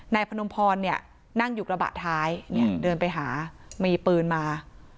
พนมพรเนี่ยนั่งอยู่กระบะท้ายเนี่ยเดินไปหามีปืนมา